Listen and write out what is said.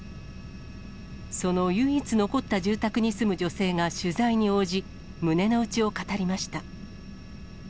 その唯一残った住宅に住む女性が取材に応じ、胸の内を語りました。